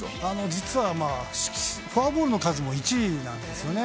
実はフォアボールの数も１位なんですよね。